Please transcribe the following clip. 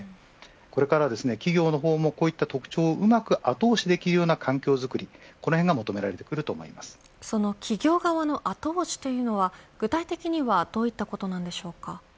これから企業の方も、こういった特徴をうまく後押しできるような環境づくりが企業側の後押しというのは具体的にはどういったことなんでしょうか。